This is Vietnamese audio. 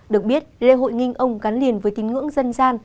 được biết lễ hội nghinh ông gắn liền với tính ngưỡng dân gian